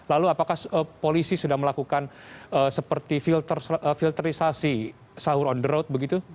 lalu apakah polisi sudah melakukan seperti filterisasi sahur on the road begitu